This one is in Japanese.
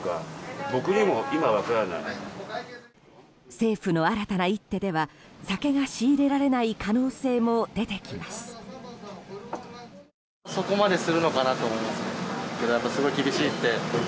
政府の新たな一手では酒が仕入れられない可能性も出てきます。